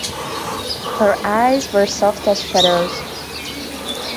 Her eyes were soft as shadows.